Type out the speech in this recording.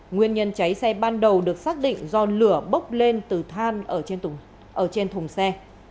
nguyên nhân cháy xe ban đầu được xác định do lửa bốc lên từ than ở trên thùng xe